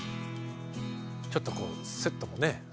ちょっとこうセットもね